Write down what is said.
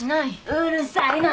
うるさいなもう！